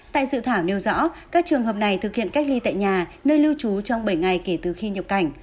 tại dự thảo nêu rõ các trường hợp này thực hiện cách ly tại nhà nơi lưu trú trong bảy ngày kể từ khi nhập cảnh